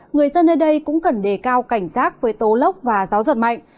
người dân nơi đây cũng cần đề cao cảnh giác với tố lốc và gió giật mạnh